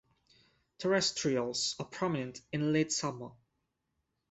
Terrestrials are prominent in late summer.